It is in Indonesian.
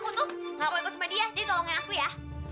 aku tuh gak mau ikut sama dia jadi tolongin aku ya